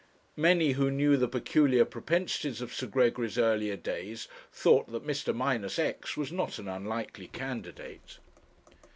Many who knew the peculiar propensities of Sir Gregory's earlier days thought that Mr. Minusex was not an unlikely candidate.